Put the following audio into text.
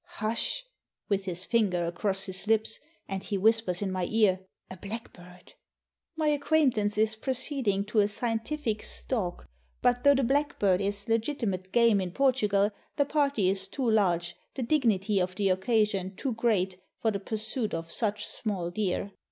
"Hush"; with his finger across his lips, and he whis pers in my ear, '' A blackbird!" My acquaintance is proceeding to a scientific "stalk"; but though the blackbird is legitimate game in Portu gal, the party is too large, the dignity of the occasion too great, for the pursuit of such small deer.